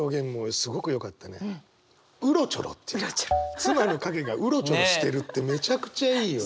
妻の影がうろちょろしてるってめちゃくちゃいいよね。